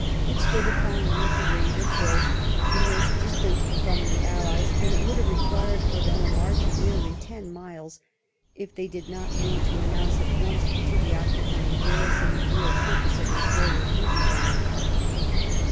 It stood upon one of a range of hills the most distant from the allies, and it would have required for them a march of nearly ten miles if they did not mean to announce at once to the occu pying garrison the real purpose of a forward move ment on their part.